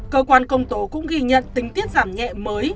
cơ quan công tố cũng ghi nhận tình tiết giảm nhẹ mới